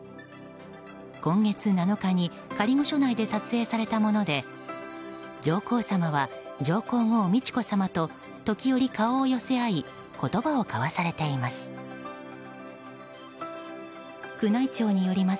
今月７日に仮御所内で撮影されたもので上皇さまは上皇后・美智子さまと時折、顔を寄せ合い言葉を交わされています。